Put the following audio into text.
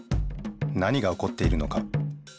何がおこっているのか。